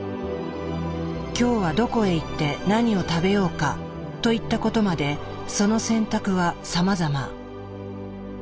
今日はどこへ行って何を食べようかといったことまでその選択はさまざま。